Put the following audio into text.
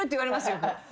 よく。